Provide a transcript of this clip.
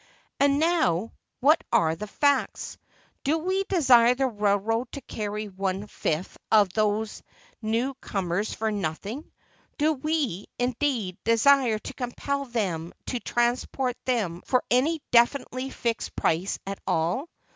And now, what are the facts? Do we desire the railroad to carry even one fifth of these new comers for nothing? Do we, indeed, desire to compel them to transport them for any definitely fixed price at all?